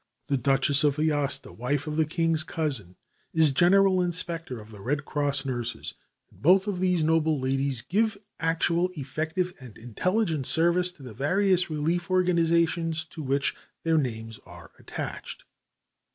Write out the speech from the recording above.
The Duchess of Aosta, wife of the King's cousin, is General Inspector of the Red Cross nurses, and both of these noble ladies give actual, effective, and intelligent service to the various relief organizations to which their names are attached.